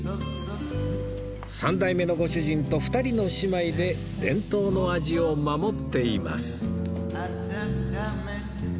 ３代目のご主人と２人の姉妹で伝統の味を守っています